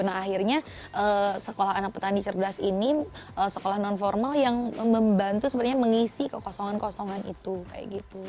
nah akhirnya sekolah anak petani cerdas ini sekolah non formal yang membantu sebenarnya mengisi kekosongan kosongan itu kayak gitu